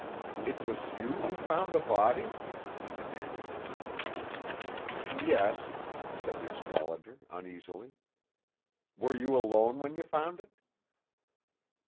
"It was you who found the body?" he demanded. "Yes," said the astrologer uneasily. "Were you alone when you found it?"